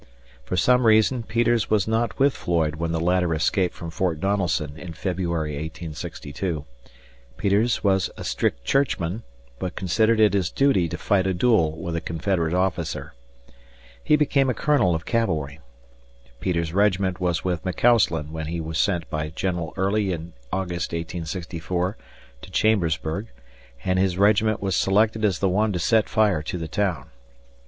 For some reason Peters was not with Floyd when the latter escaped from Fort Donelson in February, 1862. Peters was a strict churchman, but considered it his duty to fight a duel with a Confederate officer. He became a colonel of cavalry. Peters's regiment was with McCausland when he was sent by General Early in August, 1864, to Chambersburg, and his regiment was selected as the one to set fire to the town.